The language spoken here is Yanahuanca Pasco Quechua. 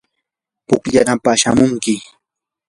pukllanapaq shamunki.